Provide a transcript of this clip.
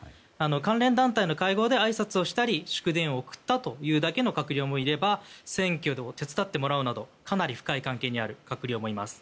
関連団体の会合であいさつをしたり祝電を送ったというだけの閣僚もいれば選挙を手伝ってもらうなどかなり深い関係にある閣僚もいます。